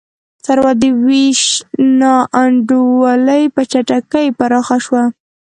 ثروت د وېش نا انډولي په چټکۍ پراخه شوه.